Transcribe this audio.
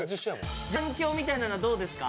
反響みたいなのはどうですか？